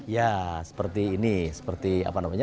ya seperti ini seperti apa namanya